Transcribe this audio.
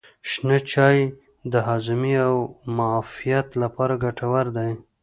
شنه چای د هاضمې او معافیت لپاره ګټور دی.